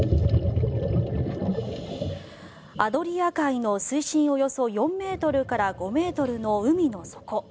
アドリア海の水深およそ４ｍから５ｍの海の底。